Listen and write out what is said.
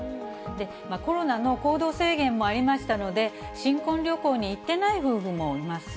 コロナの行動制限もありましたので、新婚旅行に行ってない夫婦もいます。